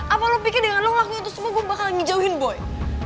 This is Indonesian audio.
apa lo pikir dengan lo nge lagu itu semua gue bakal ngejauhin boy